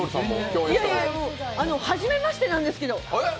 はじめましてなんですけど。